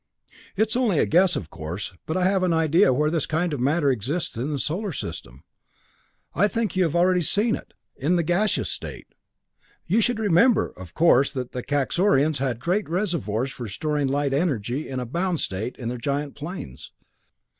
It's only a guess, of course but I have an idea where this kind of matter exists in the solar system. I think you have already seen it in the gaseous state. You remember, of course, that the Kaxorians had great reservoirs for storing light energy in a bound state in their giant planes.